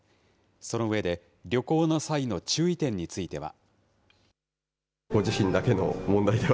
その上で、旅行の際の注意点については。